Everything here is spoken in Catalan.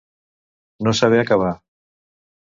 No saber acabar.